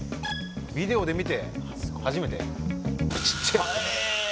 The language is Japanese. ビデオで見て初めてちっちぇ。